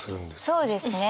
そうですね。